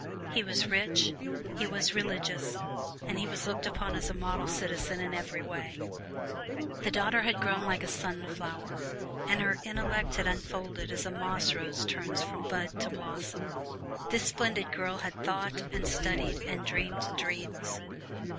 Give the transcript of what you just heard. He was rich, he was religious, and he was looked upon as a model citizen in every way. The daughter had grown like a sunflower, and her intellect had unfolded as a moss rose turns from bud to blossom. This splendid girl had thought and studied and dreamed dreams.